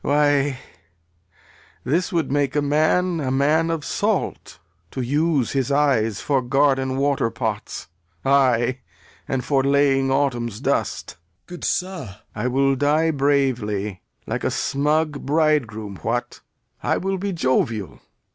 Why, this would make a man a man of salt, To use his eyes for garden waterpots, Ay, and laying autumn's dust. Gent. Good sir Lear. I will die bravely, like a smug bridegroom. What! I will be jovial.